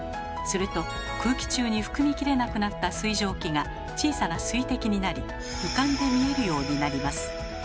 すると空気中に含みきれなくなった水蒸気が小さな水滴になり浮かんで見えるようになります。